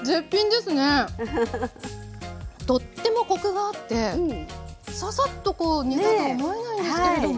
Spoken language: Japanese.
とってもコクがあってささっとこう煮たと思えないんですけれども。